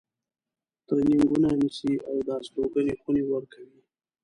ترینینګونه نیسي او د استوګنې خونې ورکوي.